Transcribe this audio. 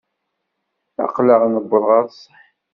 Aql-aɣ newweḍ ɣer ṣṣeḥ.